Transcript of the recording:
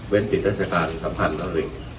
เว้นติดต่างจากการสัมพันธ์และอื่น